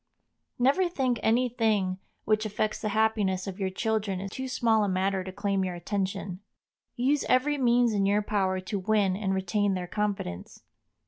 Never think any thing which affects the happiness of your children too small a matter to claim your attention. Use every means in your power to win and retain their confidence.